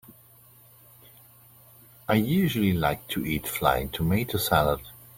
I usually like to eat flying tomato salad.